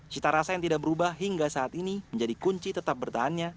cita rasa yang tidak berubah hingga saat ini menjadi kunci tetap bertahannya